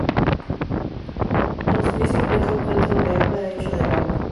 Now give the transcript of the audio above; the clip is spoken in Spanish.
A sus pies se encuentra un cántaro de agua hecho de barro.